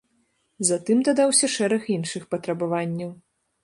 Затым дадаўся шэраг іншых патрабаванняў.